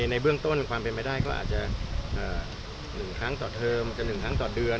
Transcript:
ในเบื้องต้นความเป็นไปได้ก็อาจจะ๑ครั้งต่อเทอมจะ๑ครั้งต่อเดือน